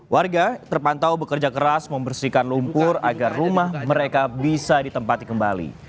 warga terpantau bekerja keras membersihkan lumpur agar rumah mereka bisa ditempati kembali